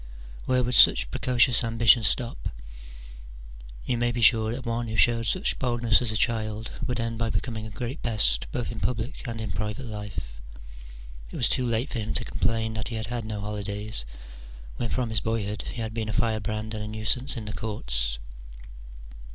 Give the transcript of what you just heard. Where would such precocious ambition stop? You may be sure that one who showed such boldness as a child i?v^ould end by becoming a great pest both in public and in private life : it was too late for him to complain that he had had no holidays, when from his boyhood he had been a firebrand and a nuisance in the courts.